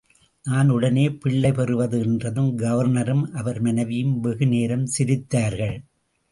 நான் உடனே பிள்ளை பெறுவது என்றதும் கவர்னரும் அவர் மனைவியும் வெகு நேரம் சிரித்தார்கள்.